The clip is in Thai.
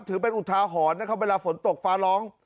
ถือเป็นอุทาหรณ์นะครับเวลาฝนตกฟ้าร้อง